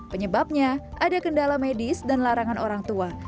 penyebabnya ada kendala medis dan larangan orang tua